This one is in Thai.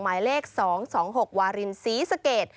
หมายเลข๒๒๖วารินศรีสเกต